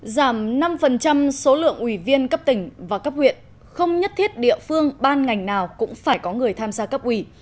giảm năm số lượng ủy viên cấp tỉnh và cấp huyện không nhất thiết địa phương ban ngành nào cũng phải có người tham gia cấp ủy